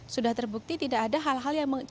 sudah terbukti tidak ada hal hal yang